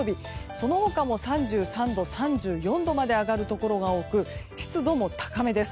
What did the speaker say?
その他も３３度、３４度まで上がるところが多く湿度も高めです。